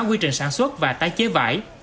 quy trình sản xuất và tái chế vải